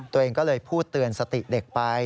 ตัวเองก็เลยพูดเตือนสติเด็กไป